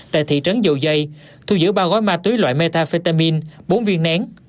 tại thị trấn dầu dây thu giữ ba gói ma túy loại metafetamin bốn viên nén